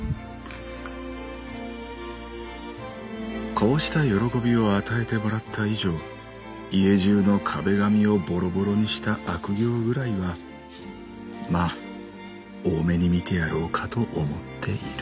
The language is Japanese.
「こうした喜びを与えてもらった以上家中の壁紙をボロボロにした悪行ぐらいはまあ大目に見てやろうかと思っている」。